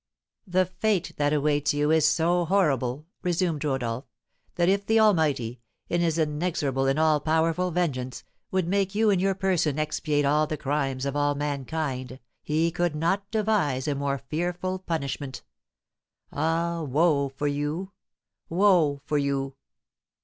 "The fate that awaits you is so horrible," resumed Rodolph, "that, if the Almighty, in his inexorable and all powerful vengeance, would make you in your person expiate all the crimes of all mankind, he could not devise a more fearful punishment! Ah, woe for you! woe for you!"